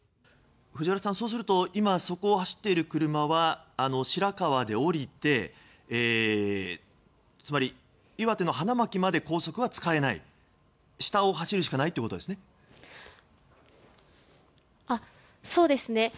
藤原さんそこを走っている車は白河で降りてつまり、岩手の花巻まで高速は使えない、下を走るしかないということですね。